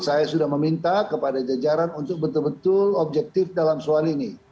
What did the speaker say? saya sudah meminta kepada jajaran untuk betul betul objektif dalam soal ini